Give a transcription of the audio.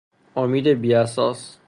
امید بی اساس